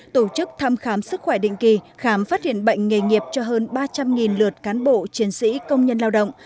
tổ chức thăm khám sức khỏe định kỳ khám phát hiện bệnh nghề nghiệp cho hơn ba trăm linh lượt cán bộ chiến sĩ công nhân lao động